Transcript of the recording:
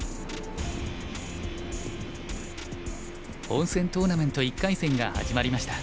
本戦トーナメント１回戦が始まりました。